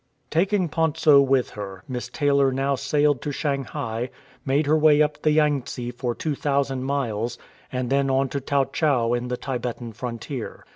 Taking Pontso with her. Miss Taylor now sailed to Shanghai, made her way up the Yang tse for 2,000 miles, and then on to Tau chau on the Tibetan frontier.